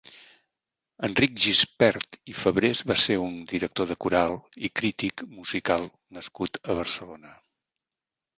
Enric Gispert i Fabrés va ser un director de coral i crític musical nascut a Barcelona.